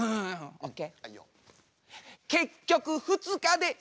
ＯＫ。